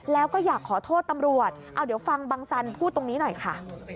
แล้วก็อยากขอโทษตำรวจเอาเดี๋ยวฟังบังสันพูดตรงนี้หน่อยค่ะ